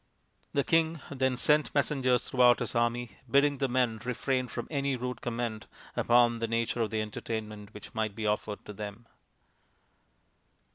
The king then sent messengers through out his army bidding the men refrain from any rude comment upon the nature of the entertainment which might be offered to them.